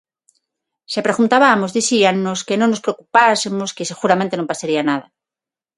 Se preguntabamos dicíannos que non nos preocupásemos, que seguramente non pasaría nada.